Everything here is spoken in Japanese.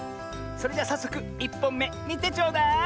それじゃさっそく１ぽんめみてちょうだい！